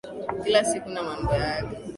Kila siku na mambo yake.